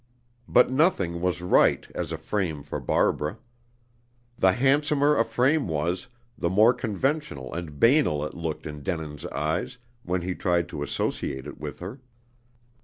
But nothing was right as a frame for Barbara. The handsomer a frame was, the more conventional and banal it looked in Denin's eyes, when he tried to associate it with her.